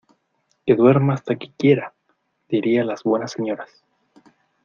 ¡Que duerma hasta que quiera! dirían las buenas señoras.